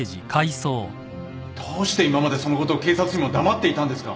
どうして今までそのことを警察にも黙っていたんですか？